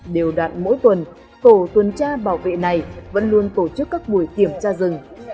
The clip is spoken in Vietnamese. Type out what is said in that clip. điều đoạn mỗi tuần tổ tuần tra bảo vệ này vẫn luôn tổ chức các buổi kiểm tra rừng